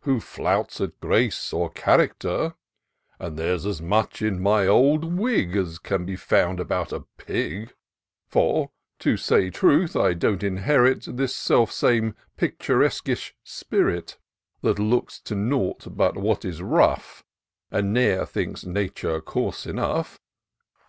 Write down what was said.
Who flouts at grace or character ; And there's as much in my old wig As can be found about a pig. 212 TOUR OF DOCTOR SYNTAX For, to say truth, I don't inherit This self same pkturesquish spirit, That looks to nought but what is rough, And ne'er thinks Nature coarse enough.